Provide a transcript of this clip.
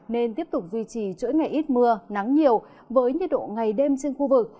nên tiếp tục duy trì chuỗi ngày ít mưa nắng nhiều với nhiệt độ ngày đêm trên khu vực